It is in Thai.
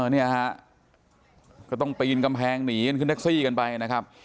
เนี่ยฮะก็ต้องปีนกำแพงหนีกันขึ้นแท็กซี่กันไปนะครับ